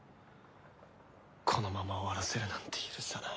このまま終わらせるなんて許さない。